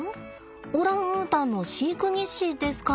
オランウータンの飼育日誌ですか。